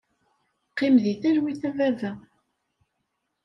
Qqim deg talwit a baba.